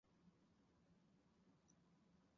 愈创树亦称愈创木是愈创木属的植物。